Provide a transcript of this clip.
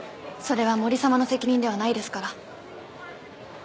それは森様の責任ではないですから。